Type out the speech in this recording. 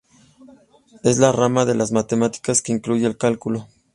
Es la rama de las matemáticas que incluye el cálculo.